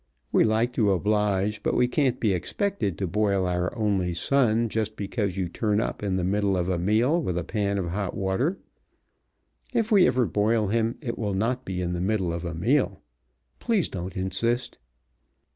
We like to oblige, but we can't be expected to boil our only son just because you turn up in the middle of a meal with a pan of hot water. If we ever boil him it will not be in the middle of a meal. Please don't insist."